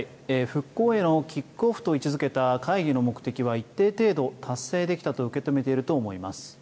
復興へのキックオフと位置づけた会議の目的は一定程度、達成できたと受け止めていると思います。